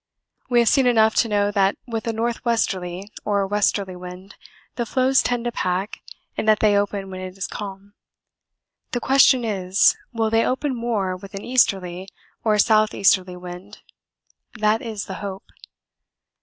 We have seen enough to know that with a north westerly or westerly wind the floes tend to pack and that they open when it is calm. The question is, will they open more with an easterly or south easterly wind that is the hope.